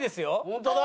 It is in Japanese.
本当だ！